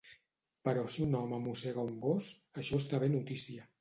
Però si un home mossega un gos, això esdevé notícia.